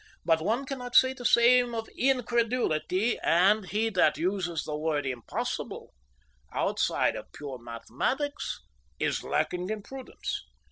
But one cannot say the same of incredulity, and he that uses the word impossible outside of pure mathematics is lacking in prudence.